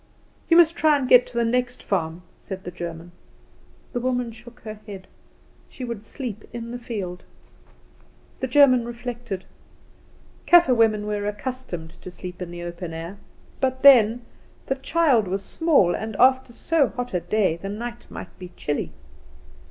"You must try and get to the next farm," said the German. The woman shook her head; she would sleep in the field. The German reflected. Kaffer women were accustomed to sleep in the open air; but then, the child was small, and after so hot a day the night might be chilly.